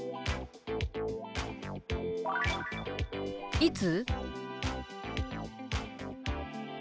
「いつ？」。